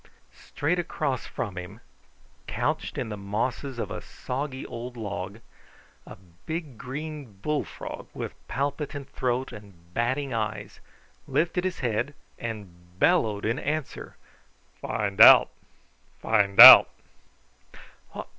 Straight across from him, couched in the mosses of a soggy old log, a big green bullfrog, with palpitant throat and batting eyes, lifted his head and bellowed in answer. "FIN' DOUT! FIN' DOUT!"